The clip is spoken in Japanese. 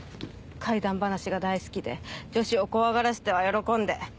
怪談話が大好きで女子を怖がらしては喜んで。